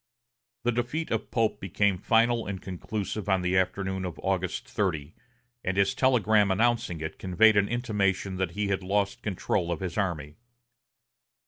The defeat of Pope became final and conclusive on the afternoon of August 30, and his telegram announcing it conveyed an intimation that he had lost control of his army.